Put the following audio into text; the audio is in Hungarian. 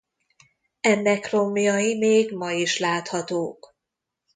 Ennek romjai még ma is láthatók.